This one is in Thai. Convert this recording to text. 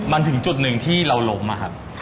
มันถึงจุดหนึ่งที่เราล้มอะครับ